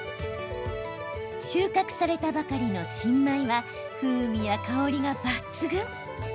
収穫されたばかりの新米は風味や香りが抜群。